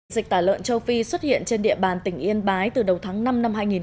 dịch tả lợn châu phi xuất hiện trên địa bàn tỉnh yên bái từ đầu tháng năm năm hai nghìn một mươi chín